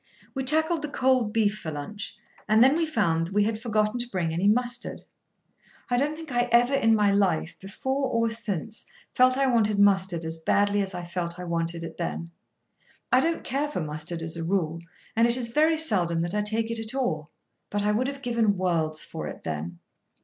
We tackled the cold beef for lunch, and then we found that we had forgotten to bring any mustard. I don't think I ever in my life, before or since, felt I wanted mustard as badly as I felt I wanted it then. I don't care for mustard as a rule, and it is very seldom that I take it at all, but I would have given worlds for it then.